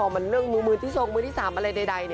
ส่วนมื้อที่๓อะไรใด